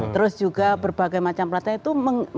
terus juga berbagai macam pelatihan itu